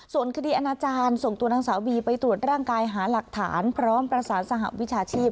ส่วนคดีอาณาจารย์ส่งตัวนางสาวบีไปตรวจร่างกายหาหลักฐานพร้อมประสานสหวิชาชีพ